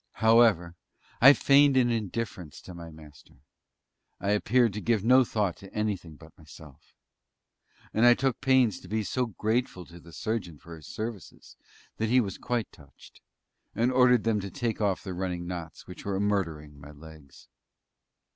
However, I feigned an indifference to my Master. I appeared to give no thought to anything but myself. And I took pains to be so grateful to the surgeon for his services that he was quite touched, and ordered them to take off the running knots which were murdering my legs.